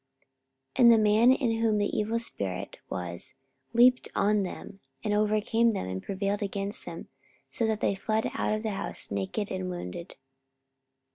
44:019:016 And the man in whom the evil spirit was leaped on them, and overcame them, and prevailed against them, so that they fled out of that house naked and wounded.